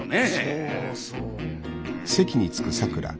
そうそう。